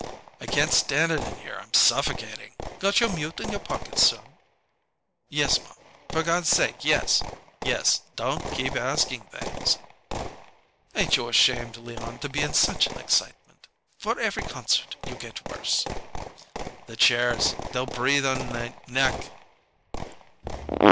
"I can't stand it in here; I'm suffocating!" "Got your mute in your pocket, son?" "Yes, ma; for God's sake, yes! Yes! Don't keep asking things!" "Ain't you ashamed, Leon, to be in such an excitement! For every concert you get worse." "The chairs they'll breathe on nay neck."